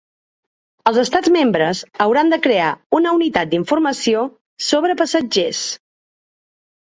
Els estats membres hauran de crear una unitat d’informació sobre passatgers.